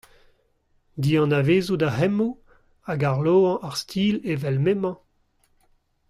Dianavezout ar cʼhemmoù hag arloañ ar stil evel m’emañ ?